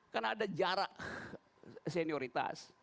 karena ada jarak senioritas